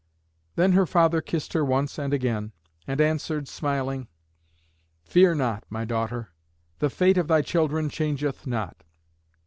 Then her father kissed her once and again, and answered smiling, "Fear not, my daughter, the fate of thy children changeth not.